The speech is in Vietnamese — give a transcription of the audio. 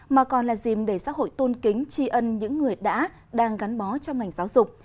mà còn là dìm để xã hội tôn kính tri ân những người đã đang gắn bó trong ngành giáo dục